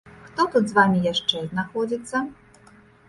Хто тут з вамі яшчэ знаходзіцца?